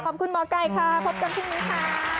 ขอบคุณหมอไก่ค่ะพบกันพรุ่งนี้ค่ะ